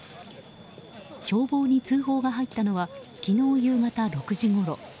消防に通報が入ったのは昨日夕方６時ごろ。